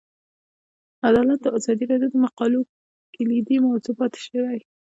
عدالت د ازادي راډیو د مقالو کلیدي موضوع پاتې شوی.